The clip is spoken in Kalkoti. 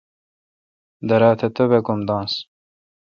درا تہ توبک ام داںنس